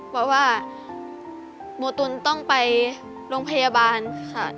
เพราะว่าโมตุลต้องไปโรงพยาบาลค่ะ